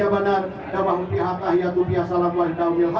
assalamualaikum warahmatullahi wabarakatuh